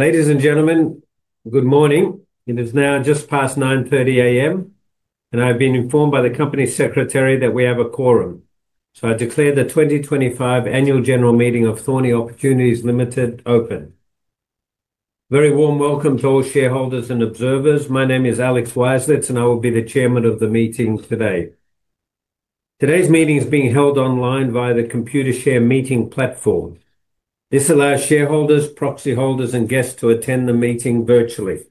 Ladies and gentlemen, good morning. It is now just past 9:30 A.M., and I've been informed by the Company Secretary that we have a quorum. So I declare the 2025 Annual General Meeting of Thorney Opportunities Ltd open. Very warm welcome to all shareholders and observers. My name is Alex Waislitz, and I will be the Chairman of the meeting today. Today's meeting is being held online via the Computershare Meeting platform. This allows shareholders, proxy holders, and guests to attend the meeting virtually.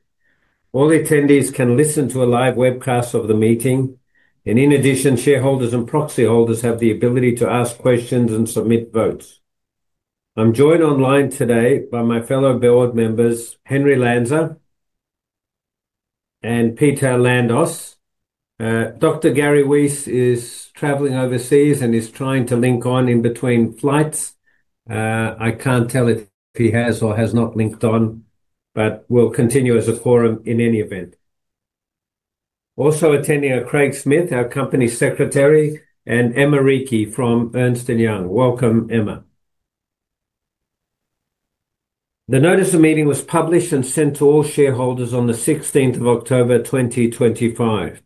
All attendees can listen to a live webcast of the meeting, and in addition, shareholders and proxy holders have the ability to ask questions and submit votes. I'm joined online today by my fellow board members, Henry Lanzer and Peter Landos. Dr. Gary Weiss is traveling overseas and is trying to link on in between flights. I can't tell if he has or has not linked on, but we'll continue as a quorum in any event. Also attending are Craig Smith, our Company Secretary, and Emma Reekie from Ernst & Young. Welcome, Emma. The notice of meeting was published and sent to all shareholders on the 16th of October 2025.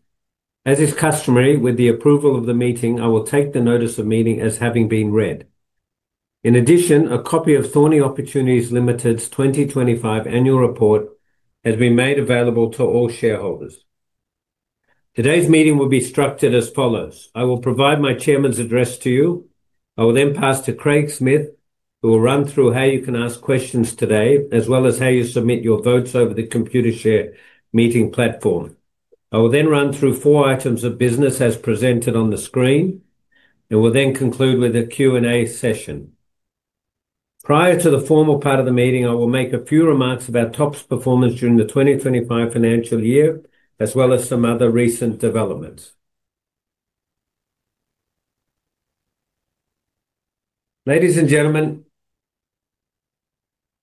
As is customary, with the approval of the meeting, I will take the notice of meeting as having been read. In addition, a copy of Thorney Opportunities Ltd's 2025 Annual Report has been made available to all shareholders. Today's meeting will be structured as follows. I will provide my Chairman's address to you. I will then pass to Craig Smith, who will run through how you can ask questions today, as well as how you submit your votes over the Computershare Meeting platform. I will then run through four items of business as presented on the screen, and we'll then conclude with a Q&A session. Prior to the formal part of the meeting, I will make a few remarks about TOP's performance during the 2025 financial year, as well as some other recent developments. Ladies and gentlemen,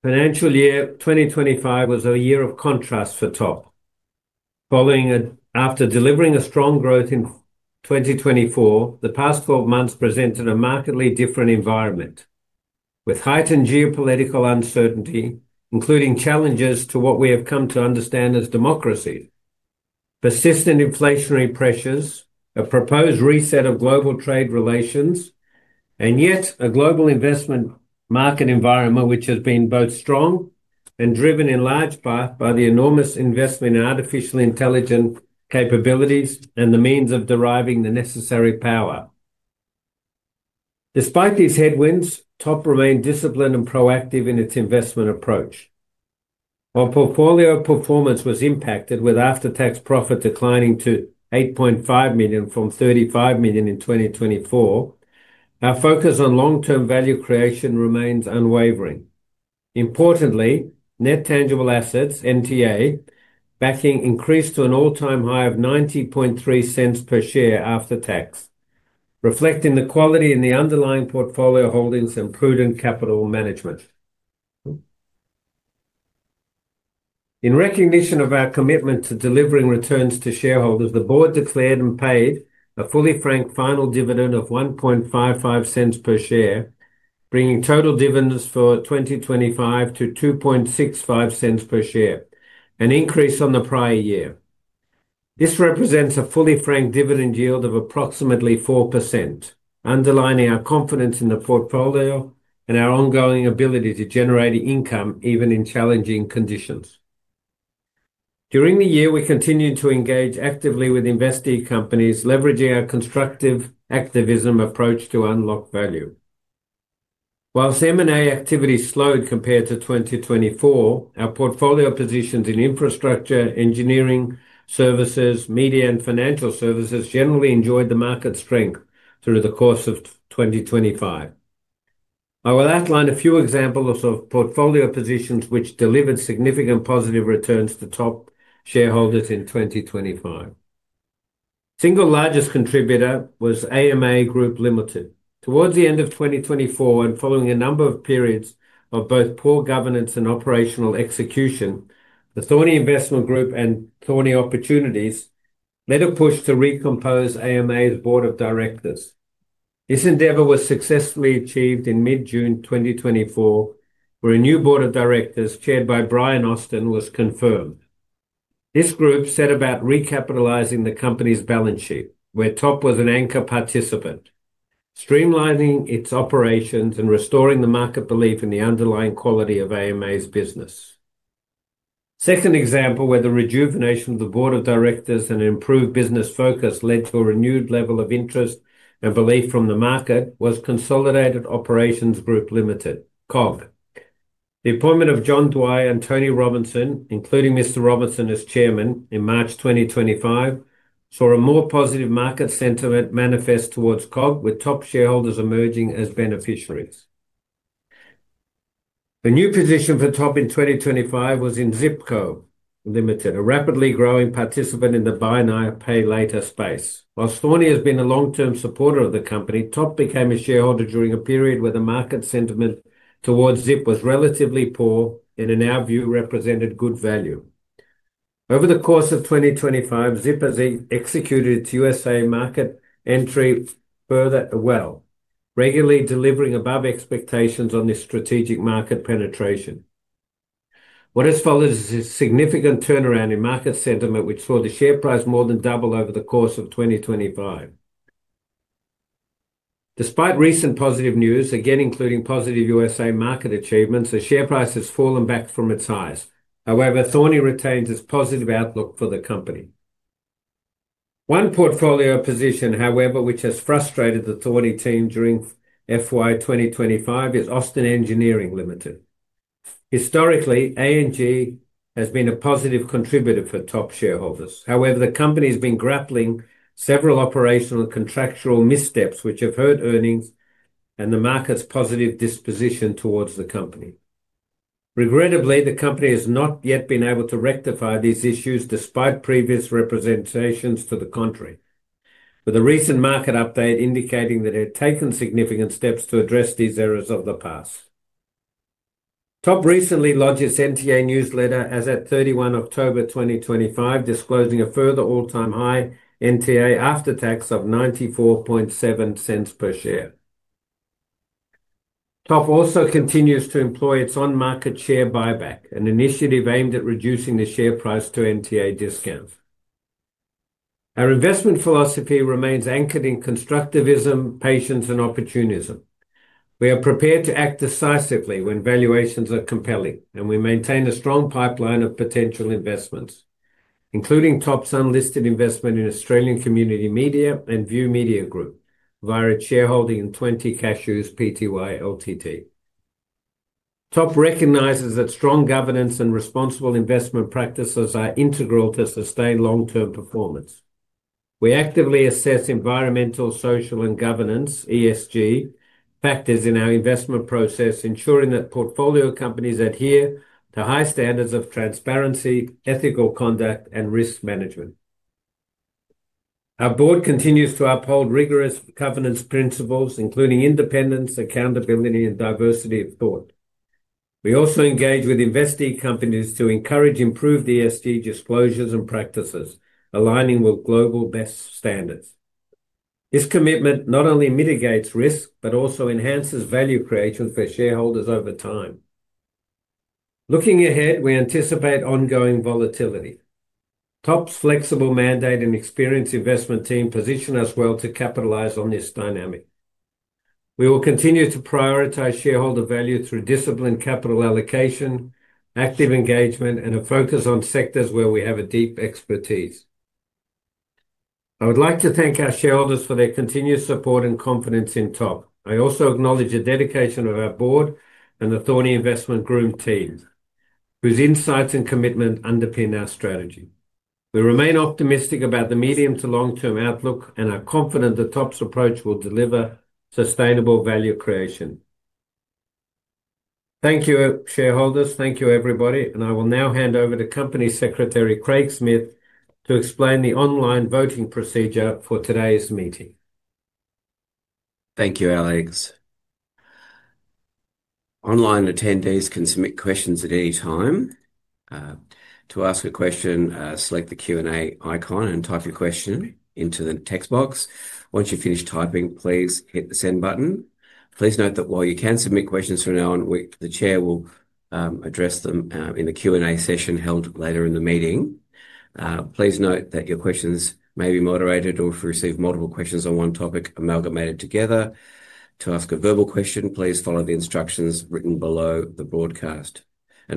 financial year 2025 was a year of contrast for TOP. Following after delivering a strong growth in 2024, the past 12 months presented a markedly different environment, with heightened geopolitical uncertainty, including challenges to what we have come to understand as democracy, persistent inflationary pressures, a proposed reset of global trade relations, and yet a global investment market environment which has been both strong and driven in large part by the enormous investment in artificial intelligence capabilities and the means of deriving the necessary power. Despite these headwinds, TOP remained disciplined and proactive in its investment approach. While portfolio performance was impacted, with after-tax profit declining to 8.5 million from 35 million in 2024, our focus on long-term value creation remains unwavering. Importantly, net tangible assets (NTA) backing increased to an all-time high of 0.903 per share after tax, reflecting the quality in the underlying portfolio holdings and prudent capital management. In recognition of our commitment to delivering returns to shareholders, the board declared and paid a fully franked final dividend of 0.0155 per share, bringing total dividends for 2025 to 0.0265 per share, an increase on the prior year. This represents a fully franked dividend yield of approximately 4%, underlining our confidence in the portfolio and our ongoing ability to generate income even in challenging conditions. During the year, we continued to engage actively with investee companies, leveraging our constructive activism approach to unlock value. Whilst M&A activity slowed compared to 2024, our portfolio positions in infrastructure, engineering services, media, and financial services generally enjoyed the market strength through the course of 2025. I will outline a few examples of portfolio positions which delivered significant positive returns to TOP shareholders in 2025. Single largest contributor was AMA Group Limited. Towards the end of 2024 and following a number of periods of both poor governance and operational execution, the Thorney Investment Group and Thorney Opportunities led a push to recompose AMA's Board of Directors. This endeavor was successfully achieved in mid-June 2024, where a new Board of Directors chaired by Brian Austin was confirmed. This group set about recapitalizing the company's balance sheet, where TOP was an anchor participant, streamlining its operations and restoring the market belief in the underlying quality of AMA's business. Second example where the rejuvenation of the Board of Directors and improved business focus led to a renewed level of interest and belief from the market was Consolidated Operations Group Limited (COG). The appointment of John Dwyer and Tony Robinson, including Mr. Robinson as Chairman, in March 2025, saw a more positive market sentiment manifest towards COG, with TOP shareholders emerging as beneficiaries. The new position for TOP in 2025 was in Zip Co Limited, a rapidly growing participant in the buy now, pay later space. Whilst Thorney has been a long-term supporter of the company, TOP became a shareholder during a period where the market sentiment towards Zip was relatively poor and, in our view, represented good value. Over the course of 2025, Zip has executed its U.S.A. market entry further well, regularly delivering above expectations on this strategic market penetration. What has followed is a significant turnaround in market sentiment, which saw the share price more than double over the course of 2025. Despite recent positive news, again including positive U.S.A. market achievements, the share price has fallen back from its highs. However, Thorney retains its positive outlook for the company. One portfolio position, however, which has frustrated the Thorney team during FY 2025, is Austin Engineering Limited. Historically, ANG has been a positive contributor for TOP shareholders. However, the company has been grappling with several operational and contractual missteps, which have hurt earnings and the market's positive disposition towards the company. Regrettably, the company has not yet been able to rectify these issues despite previous representations to the contrary, with a recent market update indicating that it had taken significant steps to address these errors of the past. TOP recently lodged its NTA newsletter as of 31 October 2025, disclosing a further all-time high NTA after-tax of 0.947 per share. TOP also continues to employ its on-market share buyback, an initiative aimed at reducing the share price to NTA discounts. Our investment philosophy remains anchored in constructivism, patience, and opportunism. We are prepared to act decisively when valuations are compelling, and we maintain a strong pipeline of potential investments, including TOP's unlisted investment in Australian Community Media and View Media Group via its shareholding in 20 Cashews Pty Ltd. TOP recognizes that strong governance and responsible investment practices are integral to sustained long-term performance. We actively assess environmental, social, and governance (ESG) factors in our investment process, ensuring that portfolio companies adhere to high standards of transparency, ethical conduct, and risk management. Our board continues to uphold rigorous governance principles, including independence, accountability, and diversity of thought. We also engage with investee companies to encourage improved ESG disclosures and practices, aligning with global best standards. This commitment not only mitigates risk but also enhances value creation for shareholders over time. Looking ahead, we anticipate ongoing volatility. TOP's flexible mandate and experienced investment team position us well to capitalize on this dynamic. We will continue to prioritize shareholder value through disciplined capital allocation, active engagement, and a focus on sectors where we have a deep expertise. I would like to thank our shareholders for their continued support and confidence in TOP. I also acknowledge the dedication of our board and the Thorney Investment Group team, whose insights and commitment underpin our strategy. We remain optimistic about the medium to long-term outlook and are confident that TOP's approach will deliver sustainable value creation. Thank you, shareholders. Thank you, everybody. I will now hand over to Company Secretary Craig Smith to explain the online voting procedure for today's meeting. Thank you, Alex. Online attendees can submit questions at any time. To ask a question, select the Q&A icon and type your question into the text box. Once you've finished typing, please hit the send button. Please note that while you can submit questions from now on, the Chair will address them in the Q&A session held later in the meeting. Please note that your questions may be moderated or, if we receive multiple questions on one topic, amalgamated together. To ask a verbal question, please follow the instructions written below the broadcast.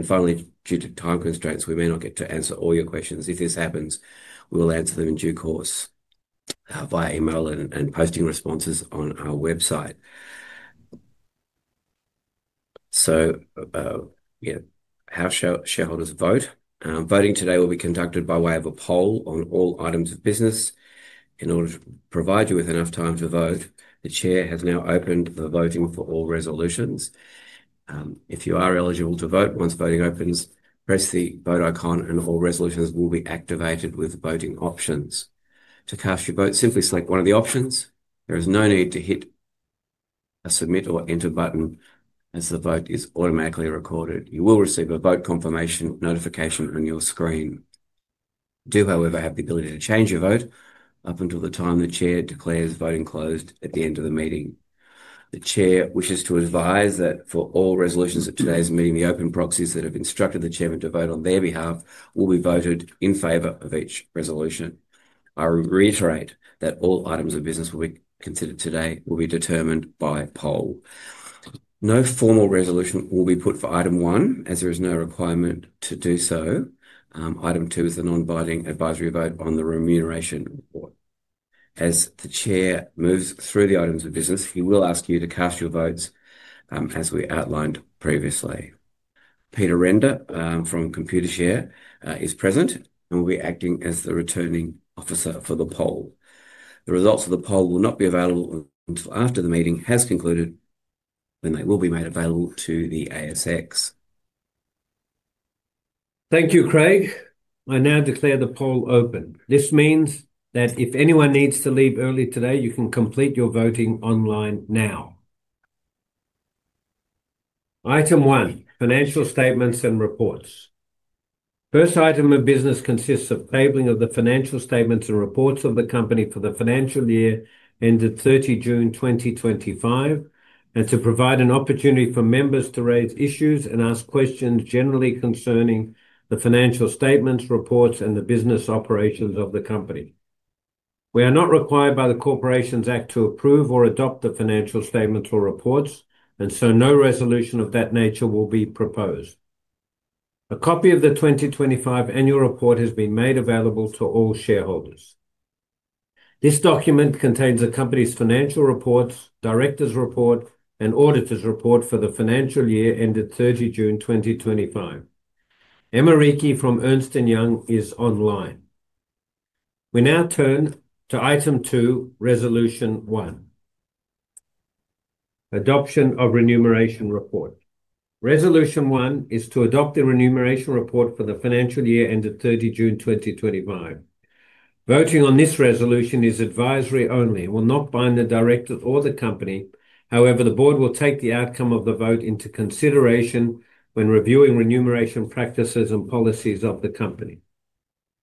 Finally, due to time constraints, we may not get to answer all your questions. If this happens, we will answer them in due course via email and posting responses on our website. Shareholders vote. Voting today will be conducted by way of a poll on all items of business. In order to provide you with enough time to vote, the Chair has now opened the voting for all resolutions. If you are eligible to vote, once voting opens, press the vote icon and all resolutions will be activated with voting options. To cast your vote, simply select one of the options. There is no need to hit a submit or enter button as the vote is automatically recorded. You will receive a vote confirmation notification on your screen. You do, however, have the ability to change your vote up until the time the Chair declares voting closed at the end of the meeting. The Chair wishes to advise that for all resolutions at today's meeting, the open proxies that have instructed the Chairman to vote on their behalf will be voted in favor of each resolution. I reiterate that all items of business to be considered today will be determined by poll. No formal resolution will be put for item one as there is no requirement to do so. Item two is the non-binding advisory vote on the remuneration report. As the Chair moves through the items of business, he will ask you to cast your votes as we outlined previously. Peter Renda from Computershare is present and will be acting as the returning officer for the poll. The results of the poll will not be available until after the meeting has concluded, and they will be made available to the ASX. Thank you, Craig. I now declare the poll open. This means that if anyone needs to leave early today, you can complete your voting online now. Item one, financial statements and reports. First item of business consists of tabling of the financial statements and reports of the company for the financial year ended 30 June 2025, and to provide an opportunity for members to raise issues and ask questions generally concerning the financial statements, reports, and the business operations of the company. We are not required by the Corporations Act to approve or adopt the financial statements or reports, and so no resolution of that nature will be proposed. A copy of the 2025 annual report has been made available to all shareholders. This document contains the company's financial reports, director's report, and auditor's report for the financial year ended 30 June 2025. Emma Reekie from Ernst & Young is online. We now turn to item two, resolution one, adoption of remuneration report. Resolution one is to adopt the remuneration report for the financial year ended 30 June 2025. Voting on this resolution is advisory only and will not bind the directors or the company. However, the board will take the outcome of the vote into consideration when reviewing remuneration practices and policies of the company.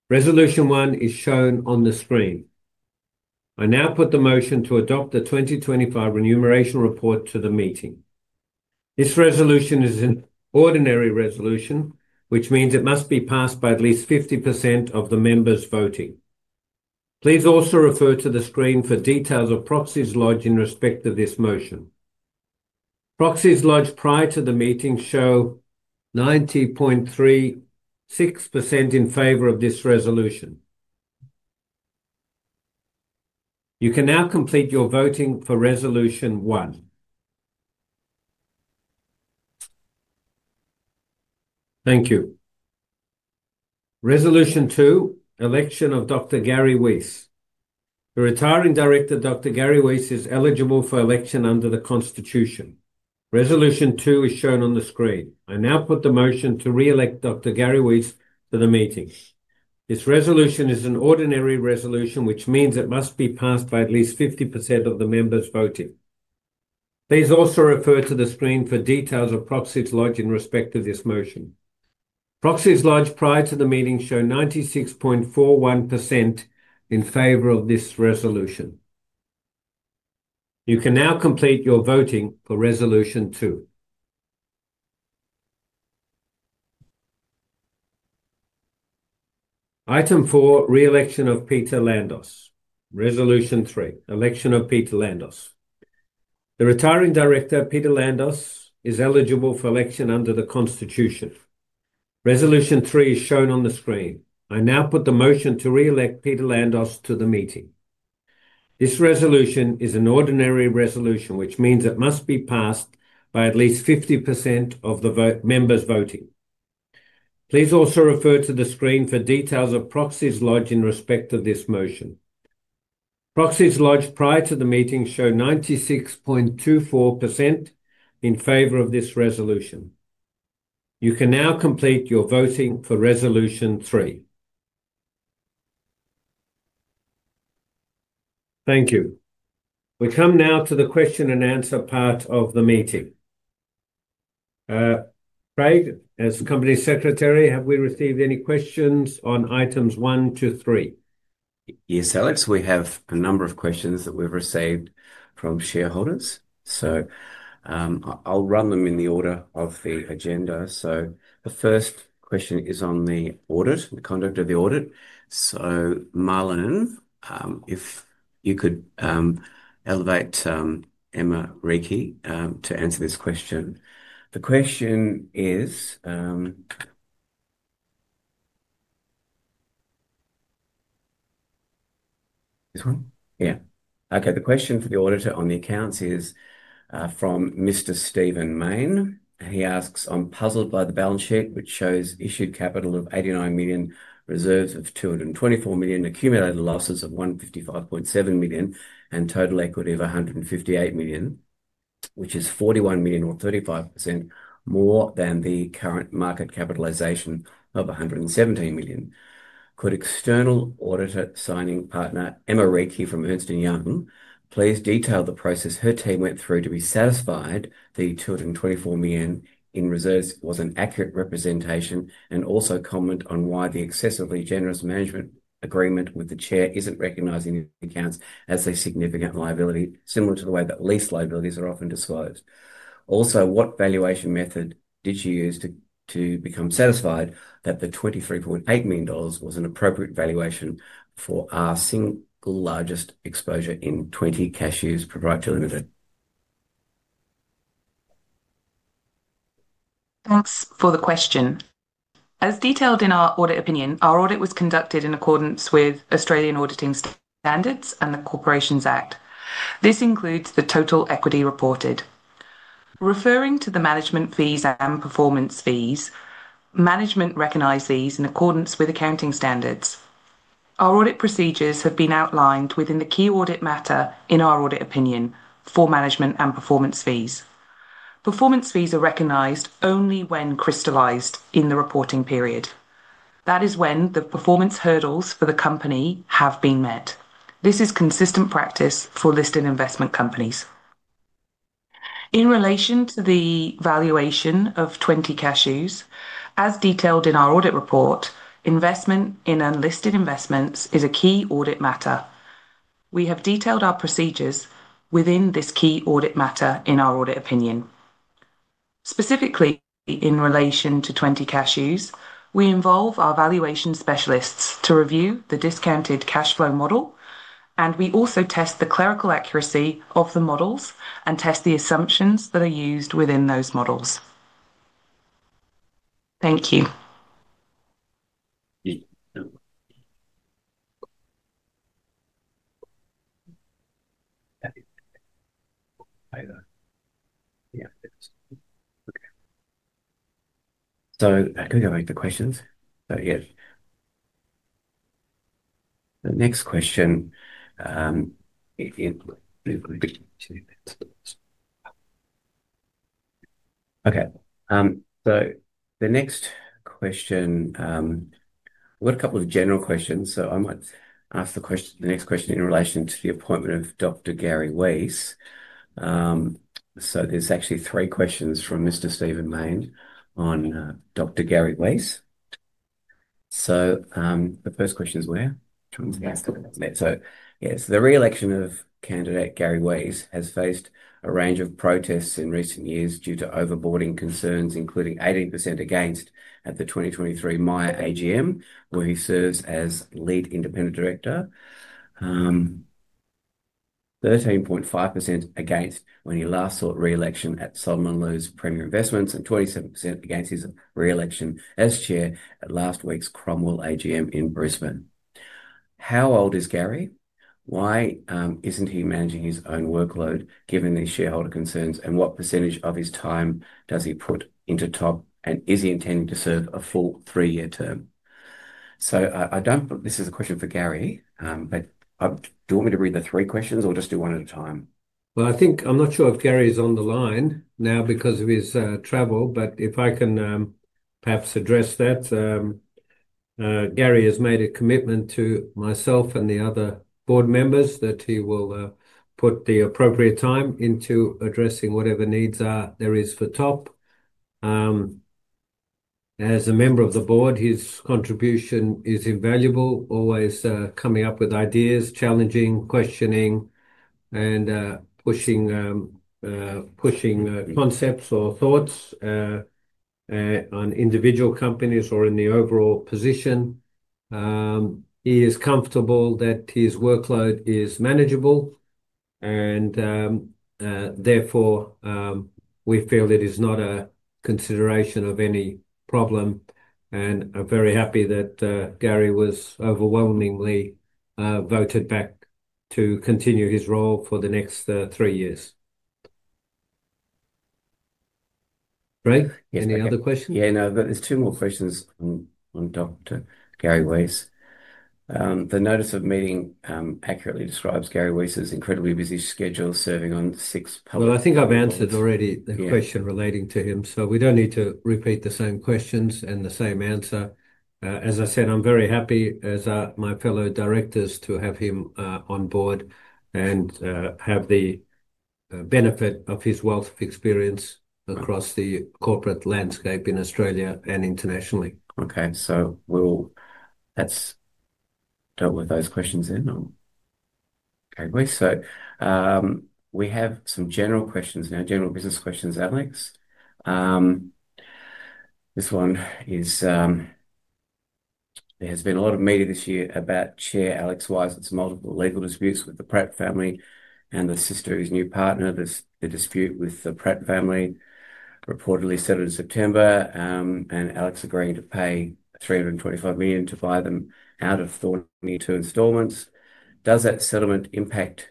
Resolution one is shown on the screen. I now put the motion to adopt the 2025 remuneration report to the meeting. This resolution is an ordinary resolution, which means it must be passed by at least 50% of the members voting. Please also refer to the screen for details of proxies lodged in respect of this motion. Proxies lodged prior to the meeting show 90.36% in favor of this resolution. You can now complete your voting for resolution one. Thank you. Resolution two, election of Dr. Gary Weiss. The retiring Director, Dr. Gary Weiss, is eligible for election under the Constitution. Resolution two is shown on the screen. I now put the motion to re-elect Dr. Gary Weiss to the meeting. This resolution is an ordinary resolution, which means it must be passed by at least 50% of the members voting. Please also refer to the screen for details of proxies lodged in respect of this motion. Proxies lodged prior to the meeting show 96.41% in favor of this resolution. You can now complete your voting for resolution two. Item four, re-election of Peter Landos. Resolution three, election of Peter Landos. The retiring Director, Peter Landos, is eligible for election under the Constitution. Resolution three is shown on the screen. I now put the motion to re-elect Peter Landos to the meeting. This resolution is an ordinary resolution, which means it must be passed by at least 50% of the members voting. Please also refer to the screen for details of proxies lodged in respect of this motion. Proxies lodged prior to the meeting show 96.24% in favor of this resolution. You can now complete your voting for resolution three. Thank you. We come now to the question and answer part of the meeting. Craig, as Company Secretary, have we received any questions on items one to three? Yes, Alex. We have a number of questions that we've received from shareholders. I'll run them in the order of the agenda. The first question is on the audit, the conduct of the audit. [Marlin], if you could elevate Emma Reekie to answer this question. The question is this one. Okay. The question for the auditor on the accounts is from Mr. Stephen Mayne. He asks, "I'm puzzled by the balance sheet, which shows issued capital of 89 million, reserves of 224 million, accumulated losses of 155.7 million, and total equity of 158 million, which is 41 million or 35% more than the current market capitalization of 117 million. Could external auditor signing partner, Emma Reekie from Ernst & Young, please detail the process her team went through to be satisfied the 224 million in reserves was an accurate representation and also comment on why the excessively generous management agreement with the Chair isn't recognizing the accounts as a significant liability, similar to the way that lease liabilities are often disclosed? Also, what valuation method did she use to become satisfied that the 23.8 million dollars was an appropriate valuation for our single largest exposure in 20 Cashews Pty Ltd?" Thanks for the question. As detailed in our audit opinion, our audit was conducted in accordance with Australian Auditing Standards and the Corporations Act. This includes the total equity reported. Referring to the management fees and performance fees, management recognizes these in accordance with accounting standards. Our audit procedures have been outlined within the key audit matter in our audit opinion for management and performance fees. Performance fees are recognized only when crystallized in the reporting period. That is when the performance hurdles for the company have been met. This is consistent practice for listed investment companies. In relation to the valuation of 20 Cashews, as detailed in our audit report, investment in unlisted investments is a key audit matter. We have detailed our procedures within this key audit matter in our audit opinion. Specifically, in relation to 20 Cashews, we involve our valuation specialists to review the discounted cash flow model, and we also test the clerical accuracy of the models and test the assumptions that are used within those models. Thank you. Can we go back to questions? Yeah. The next question. Okay. The next question, we've got a couple of general questions. I might ask the next question in relation to the appointment of Dr. Gary Weiss. There are actually three questions from Mr. Stephen Mayne on Dr. Gary Weiss. The first question is where? Yes, the re-election of candidate Gary Weiss has faced a range of protests in recent years due to overboarding concerns, including 80% against at the 2023 Myer AGM, where he serves as Lead Independent Director, 13.5% against when he last sought re-election at Solomon Lew's Premier Investments, and 27% against his re-election as Chair at last week's Cromwell AGM in Brisbane. How old is Gary? Why isn't he managing his own workload given these shareholder concerns, and what percentage of his time does he put into TOP, and is he intending to serve a full three-year term? I don't think this is a question for Gary, but do you want me to read the three questions or just do one at a time? I think I'm not sure if Gary is on the line now because of his travel, but if I can perhaps address that. Gary has made a commitment to myself and the other board members that he will put the appropriate time into addressing whatever needs there are for TOP. As a member of the board, his contribution is invaluable, always coming up with ideas, challenging, questioning, and pushing concepts or thoughts on individual companies or in the overall position. He is comfortable that his workload is manageable, and therefore we feel it is not a consideration of any problem, and I'm very happy that Gary was overwhelmingly voted back to continue his role for the next three years. Craig, any other questions? Yeah, no, but there's two more questions on Dr. Gary Weiss. The notice of meeting accurately describes Gary Weiss's incredibly busy schedule serving on six public. I think I've answered already the question relating to him, so we don't need to repeat the same questions and the same answer. As I said, I'm very happy as my fellow directors to have him on board and have the benefit of his wealth of experience across the corporate landscape in Australia and internationally. Okay. So we'll deal with those questions then, Gary Weiss. We have some general questions now, general business questions, Alex. This one is, there has been a lot of media this year about Chair Alex Waislitz's multiple legal disputes with the Pratt family and the sister of his new partner. The dispute with the Pratt family reportedly settled in September, and Alex agreeing to pay 325 million to buy them out of Thorney in two installments. Does that settlement impact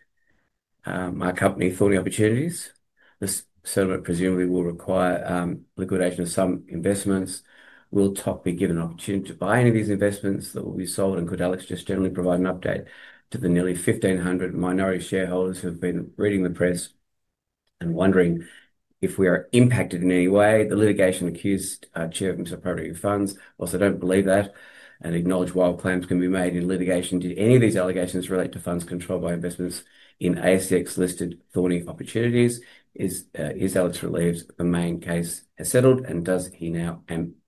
my company, Thorney Opportunities? This settlement presumably will require liquidation of some investments. Will TOP be given an opportunity to buy any of these investments that will be sold? Could Alex just generally provide an update to the nearly 1,500 minority shareholders who have been reading the press and wondering if we are impacted in any way? The litigation accused Chair of misappropriating funds also do not believe that and acknowledge wild claims can be made in litigation. Did any of these allegations relate to funds controlled by investments in ASX-listed Thorney Opportunities? Is Alex relieved the main case has settled, and does he now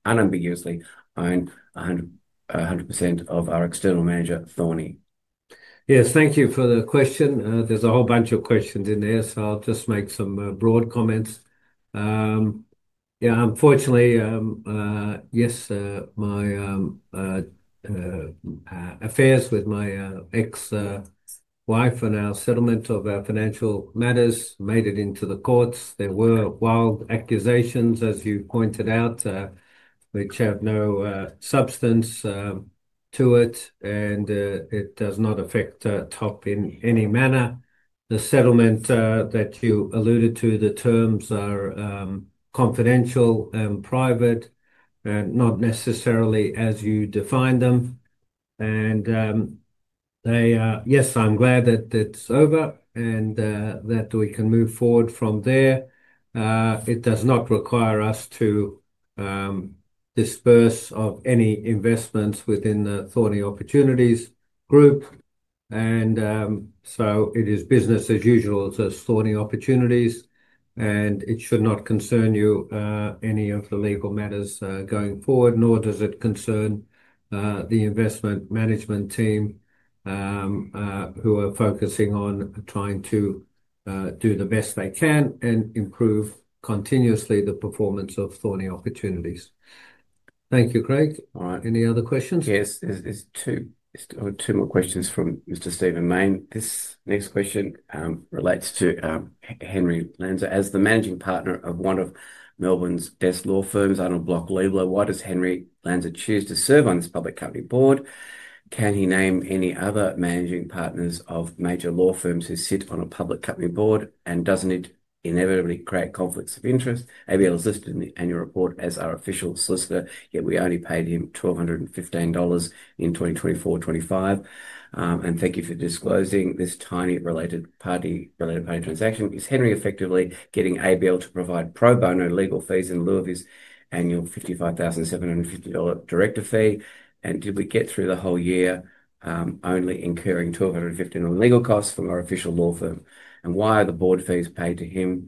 unambiguously own 100% of our external manager, Thorney? Yes, thank you for the question. There's a whole bunch of questions in there, so I'll just make some broad comments. Yeah, unfortunately, yes, my affairs with my ex-wife and our settlement of our financial matters made it into the courts. There were wild accusations, as you pointed out, which have no substance to it, and it does not affect TOP in any manner. The settlement that you alluded to, the terms are confidential and private and not necessarily as you define them. Yes, I'm glad that it's over and that we can move forward from there. It does not require us to disperse of any investments within the Thorney Opportunities group. It is business as usual at Thorney Opportunities, and it should not concern you any of the legal matters going forward, nor does it concern the investment management team who are focusing on trying to do the best they can and improve continuously the performance of Thorney Opportunities. Thank you, Craig. Any other questions? Yes, there's two more questions from Mr. Stephen Mayne. This next question relates to Henry Lanzer. As the Managing Partner of one of Melbourne's best law firms, Arnold Bloch Leibler, why does Henry Lanzer choose to serve on this public company board? Can he name any other managing partners of major law firms who sit on a public company board, and doesn't it inevitably create conflicts of interest? ABL is listed in the annual report as our official solicitor, yet we only paid him 1,215 dollars in 2024-2025. Thank you for disclosing this tiny related party transaction. Is Henry effectively getting ABL to provide pro bono legal fees in lieu of his annual 55,750 dollar director fee? Did we get through the whole year only incurring 250 dollar in legal costs from our official law firm? Why are the board fees paid to him,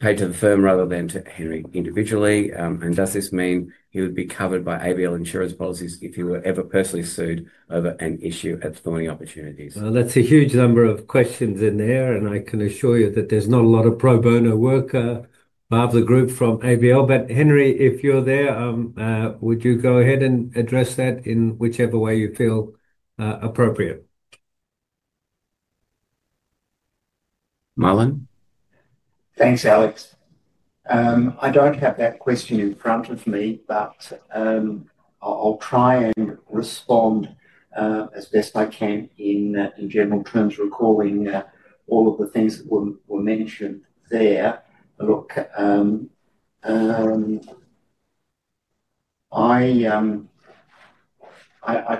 paid to the firm rather than to Henry individually? Does this mean he would be covered by ABL insurance policies if he were ever personally sued over an issue at Thorney Opportunities? That's a huge number of questions in there, and I can assure you that there's not a lot of pro bono work of the group from ABL. Henry, if you're there, would you go ahead and address that in whichever way you feel appropriate? [Marlin]? Thanks, Alex. I don't have that question in front of me, but I'll try and respond as best I can in general terms, recalling all of the things that were mentioned there. Look, I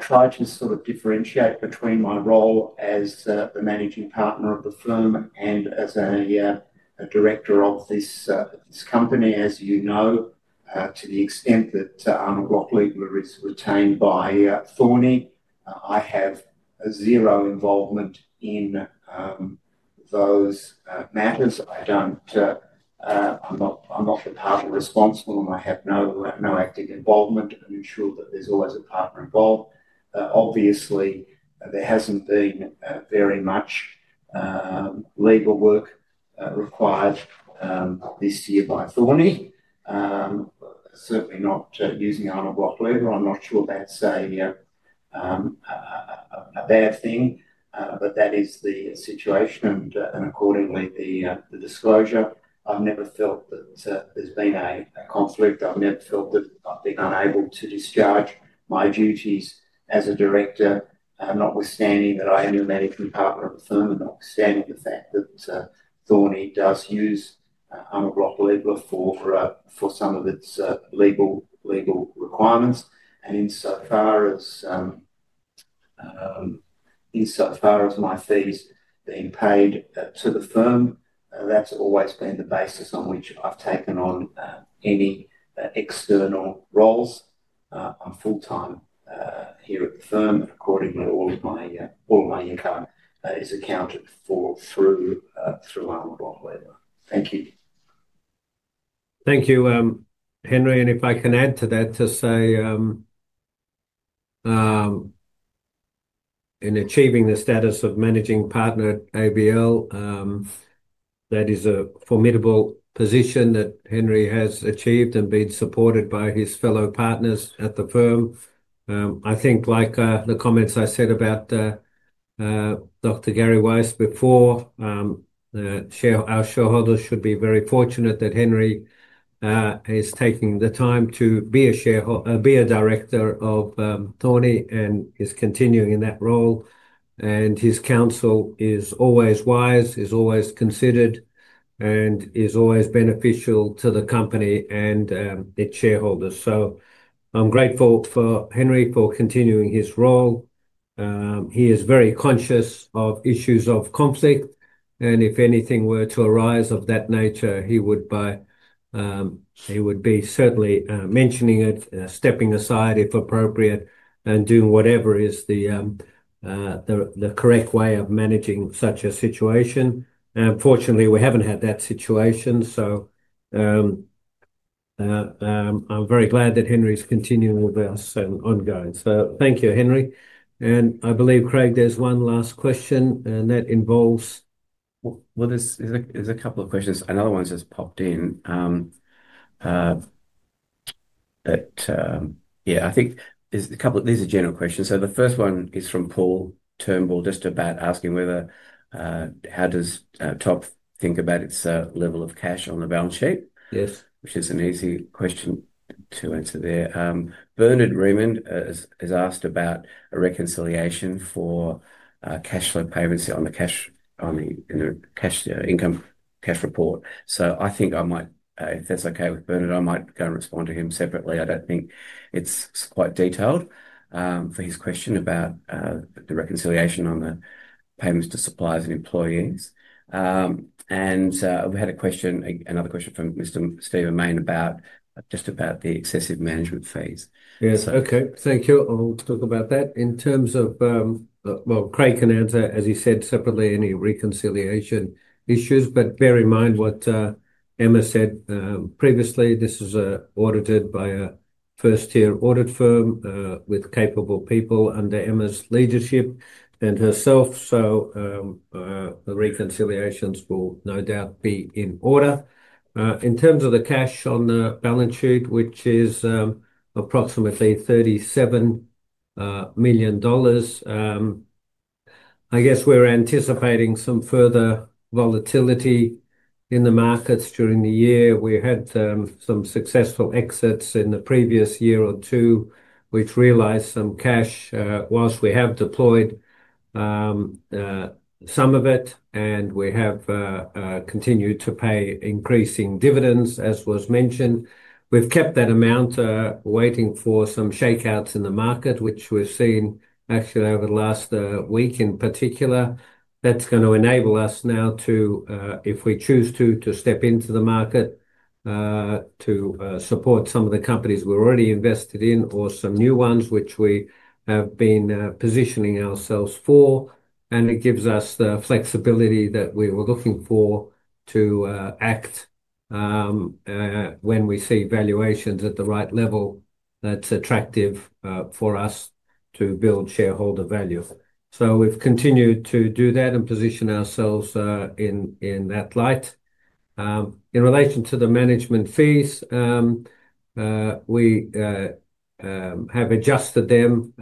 try to sort of differentiate between my role as the Managing Partner of the firm and as a Director of this company, as you know. To the extent that Arnold Bloch Leibler is retained by Thorney, I have zero involvement in those matters. I'm not the party responsible, and I have no active involvement. I'm sure that there's always a partner involved. Obviously, there hasn't been very much legal work required this year by Thorney, certainly not using Arnold Bloch Leibler. I'm not sure that's a bad thing, but that is the situation, and accordingly, the disclosure. I've never felt that there's been a conflict. I've never felt that I've been unable to discharge my duties as a Director, notwithstanding that I am the Managing Partner of the firm, and notwithstanding the fact that Thorney does use Arnold Bloch Leibler for some of its legal requirements. Insofar as my fees being paid to the firm, that's always been the basis on which I've taken on any external roles. I'm full-time here at the firm, and accordingly, all of my income is accounted for through Arnold Bloch Leibler. Thank you. Thank you, Henry. If I can add to that to say, in achieving the status of Managing Partner at ABL, that is a formidable position that Henry has achieved and been supported by his fellow partners at the firm. I think, like the comments I said about Dr. Gary Weiss before, our shareholders should be very fortunate that Henry is taking the time to be a Director of Thorney and is continuing in that role. His counsel is always wise, is always considered, and is always beneficial to the company and its shareholders. I am grateful for Henry for continuing his role. He is very conscious of issues of conflict, and if anything were to arise of that nature, he would be certainly mentioning it, stepping aside if appropriate, and doing whatever is the correct way of managing such a situation. Fortunately, we haven't had that situation, so I'm very glad that Henry is continuing with us and ongoing. Thank you, Henry. I believe, Craig, there's one last question, and that involves. There's a couple of questions. Another one's just popped in. Yeah, I think there's a couple of these are general questions. The first one is from Paul Turnbull, just about asking whether how does TOP think about its level of cash on the balance sheet, which is an easy question to answer there. Bernard Reaman has asked about a reconciliation for cash flow payments on the income cash report. I think I might, if that's okay with Bernard, I might go and respond to him separately. I don't think it's quite detailed for his question about the reconciliation on the payments to suppliers and employees. We had another question from Mr. Stephen Mayne about just about the excessive management fees. Yes. Okay. Thank you. I'll talk about that. In terms of, Craig can answer, as he said, separately, any reconciliation issues, but bear in mind what Emma said previously. This is audited by a first-tier audit firm with capable people under Emma's leadership and herself, so the reconciliations will no doubt be in order. In terms of the cash on the balance sheet, which is approximately 37 million dollars, I guess we're anticipating some further volatility in the markets during the year. We had some successful exits in the previous year or two, which realized some cash, whilst we have deployed some of it, and we have continued to pay increasing dividends, as was mentioned. We've kept that amount waiting for some shakeouts in the market, which we've seen actually over the last week in particular. That's going to enable us now to, if we choose to, step into the market to support some of the companies we're already invested in or some new ones, which we have been positioning ourselves for. It gives us the flexibility that we were looking for to act when we see valuations at the right level that's attractive for us to build shareholder value. We've continued to do that and position ourselves in that light. In relation to the management fees, we adjusted them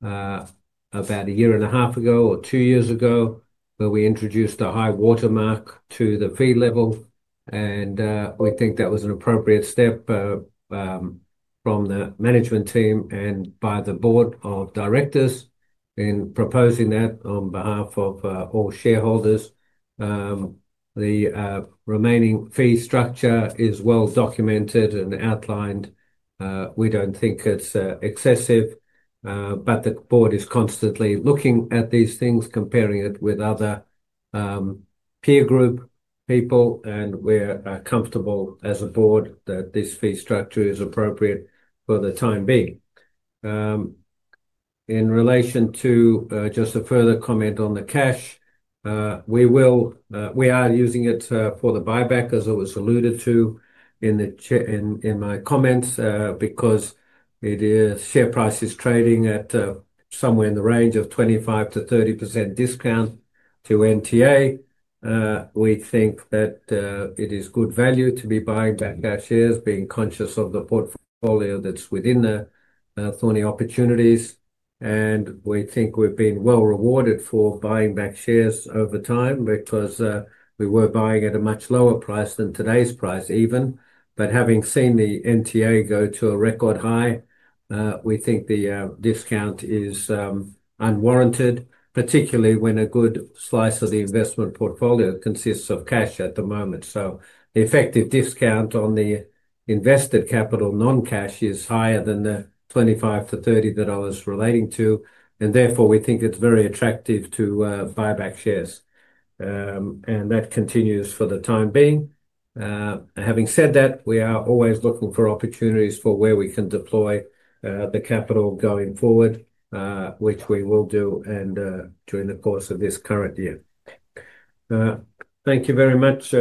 about a year and a half ago or two years ago, where we introduced a high watermark to the fee level. We think that was an appropriate step from the management team and by the Board of Directors in proposing that on behalf of all shareholders. The remaining fee structure is well documented and outlined. We don't think it's excessive, but the board is constantly looking at these things, comparing it with other peer group people, and we're comfortable as a board that this fee structure is appropriate for the time being. In relation to just a further comment on the cash, we are using it for the buyback, as it was alluded to in my comments, because share price is trading at somewhere in the range of 25-30% discount to NTA. We think that it is good value to be buying back our shares, being conscious of the portfolio that's within the Thorney Opportunities. And we think we've been well rewarded for buying back shares over time because we were buying at a much lower price than today's price even. Having seen the NTA go to a record high, we think the discount is unwarranted, particularly when a good slice of the investment portfolio consists of cash at the moment. The effective discount on the invested capital, non-cash, is higher than the 25-30 dollars that I was relating to. Therefore, we think it is very attractive to buy back shares. That continues for the time being. Having said that, we are always looking for opportunities for where we can deploy the capital going forward, which we will do during the course of this current year. Thank you very much,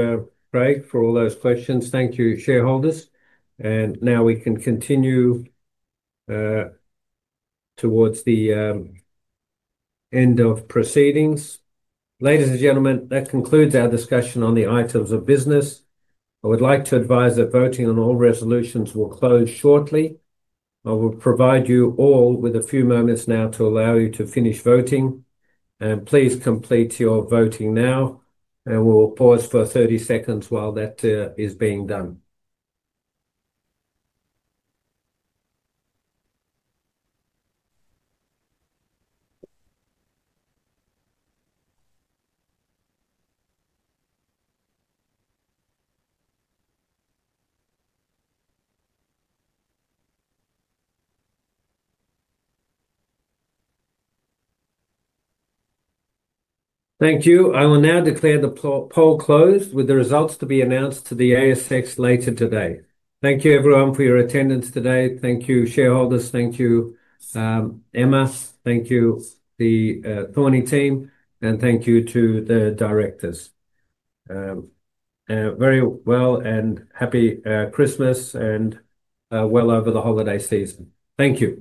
Craig, for all those questions. Thank you, shareholders. Now we can continue towards the end of proceedings. Ladies and gentlemen, that concludes our discussion on the items of business. I would like to advise that voting on all resolutions will close shortly. I will provide you all with a few moments now to allow you to finish voting. Please complete your voting now, and we will pause for 30 seconds while that is being done. Thank you. I will now declare the poll closed with the results to be announced to the ASX later today. Thank you, everyone, for your attendance today. Thank you, shareholders. Thank you, Emma. Thank you, the Thorney team, and thank you to the directors. Very well and happy Christmas and well over the holiday season. Thank you.